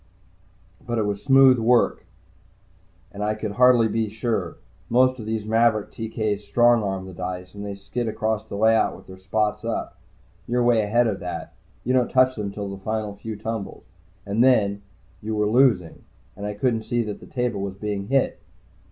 "But it was smooth work, and I could hardly be sure. Most of these maverick TK's strong arm the dice, and they skid across the layout with their spots up. You're way ahead of that you don't touch them till the final few tumbles. And then, you were losing, and I couldn't see that the table was being hit."